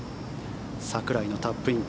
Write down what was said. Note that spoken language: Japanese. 櫻井のタップイン